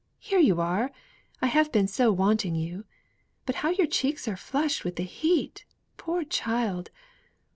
here you are! I have been so wanting you. But how your cheeks are flushed with the heat, poor child!